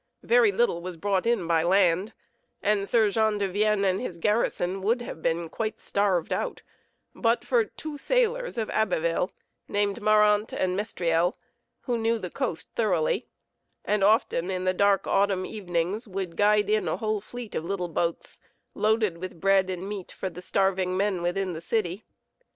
Very little was brought in by land, and Sir Jean de Vienne and his garrison would have been quite starved but for two sailors of Abbeville, named Marant and Mestriel, who knew the coast thoroughly, and often, in the dark autumn evenings, would guide in a whole fleet of little boats, loaded with bread and meat for the starving men within the city.